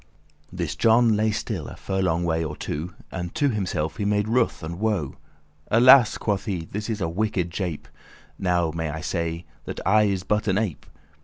This John lay still a furlong way <23> or two, And to himself he made ruth* and woe. *wail "Alas!" quoth he, "this is a wicked jape*; *trick Now may I say, that I is but an ape.